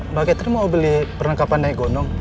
mbak gater mau beli perlengkapan naik gondong